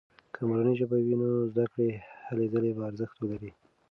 که مورنۍ ژبه وي، نو د زده کړې هلې ځلې به ارزښت ولري.